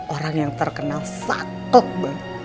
orang yang terkenal sakok banget